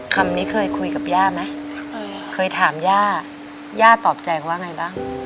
คำนี้เคยคุยกับย่าไหม